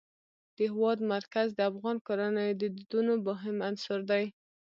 د هېواد مرکز د افغان کورنیو د دودونو مهم عنصر دی.